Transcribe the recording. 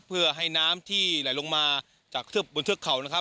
เพื่อให้น้ำที่ไหลลงมาจากบนเสื้อเข่า